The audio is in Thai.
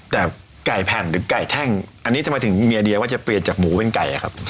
แต่ไก่แผ่นหรือไก่แท่งอันนี้จะมาถึงเมียเดียว่าจะเปลี่ยนจากหมูเป็นไก่อะครับ